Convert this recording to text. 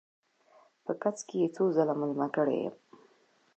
په کڅ کې یې څو ځله میلمه کړی یم.